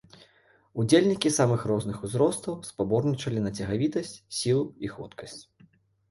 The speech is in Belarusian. Удзельнікі самых розных узростаў спаборнічалі на цягавітасць, сілу і хуткасць.